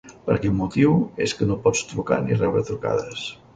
Per aquest motiu és que no pots trucar ni rebre trucades.